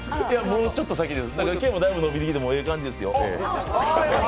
もうちょっと先です、今日もだいぶ伸びてきていい感じですよ。